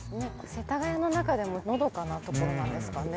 世田谷の中でものどかなところなんですかね。